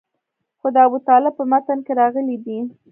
خو د ابوطالب په متن کې راغلي دي.